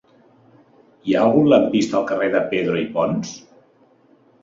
Hi ha algun lampista al carrer de Pedro i Pons?